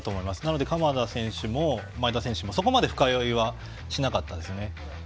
だから鎌田選手も前田選手もそこまで深追いはしなかったですよね。